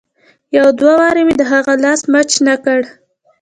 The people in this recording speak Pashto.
يو دوه وارې مې د هغه لاس مچ نه کړ.